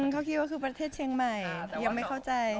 เขาคิดว่าคือประเทศเชียงใหม่ยังไม่เข้าใจ